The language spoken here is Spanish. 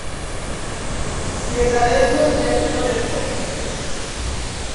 Llegaremos dentro de poco.